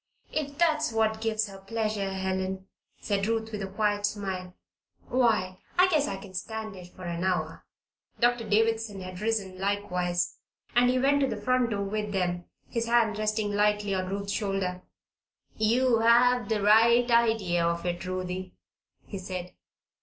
"If that's what gives her pleasure, Helen," said Ruth, with a quiet smile, "why, I guess I can stand it for an hour." Doctor Davison had risen likewise, and he went to the front door with them, his hand resting lightly on Ruth's shoulder. "You have the right idea of it, Ruthie," he said.